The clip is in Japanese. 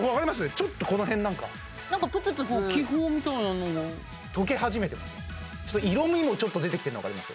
ちょっとこの辺なんかなんかプツプツ気泡みたいなのが色みもちょっと出てきてるの分かります？